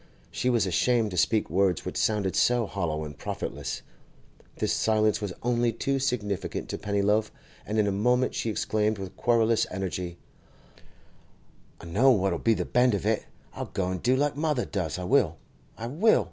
She was ashamed to speak words which sounded so hollow and profitless. This silence was only too significant to Pennyloaf, and in a moment she exclaimed with querulous energy: 'I know what'll be the bend of it! I'll go an' do like mother does—I will! I will!